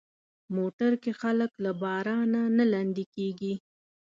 موټر کې خلک له بارانه نه لندي کېږي.